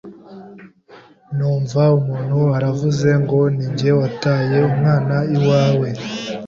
numva umuntu aravuze ngo ninjye wataye umwana iwawe,